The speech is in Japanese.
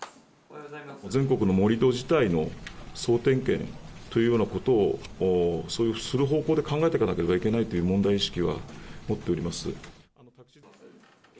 全国の盛り土自体の総点検というようなことをする方向で考えていかなきゃいけないという問題意識は持っております。